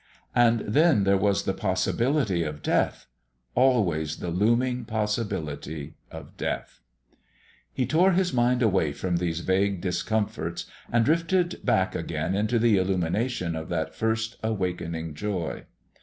And then there was the possibility of death always the looming possibility of death. He tore his mind away from these vague discomforts and drifted back again into the illumination of that first awakening joy.